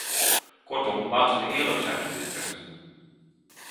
Kortom, laten we eerlijk zijn op dit punt.